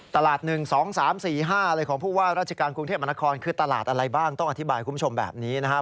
๑๒๓๔๕อะไรของผู้ว่าราชการกรุงเทพมหานครคือตลาดอะไรบ้างต้องอธิบายคุณผู้ชมแบบนี้นะครับ